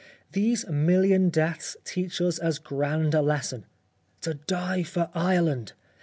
These million deaths teach us as grand a lesson. To die for Ireland